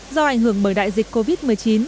do ảnh hưởng bởi đại dịch covid một mươi chín